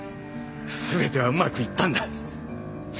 全てはうまくいったんだ。